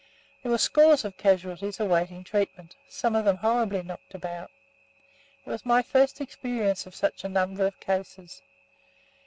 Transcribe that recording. There were scores of casualties awaiting treatment, some of them horribly knocked about. It was my first experience of such a number of cases.